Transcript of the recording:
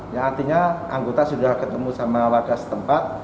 yang artinya anggota sudah ketemu sama warga setempat